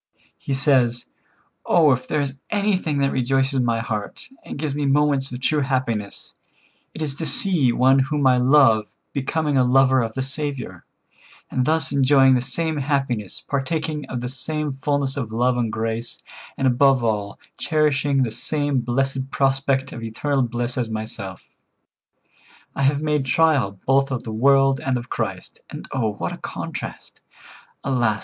He says: "Oh, if there is anything that rejoices my heart, and gives me moments of true happiness, it is to see one whom I love becoming a lover of the Saviour, and thus enjoying the same happiness, partaking of the same fulness of love and grace, and above all, cherishing the same blessed prospect of eternal bliss as myself. I have made trial both of the world and of Christ, and oh, what a contrast! Alas!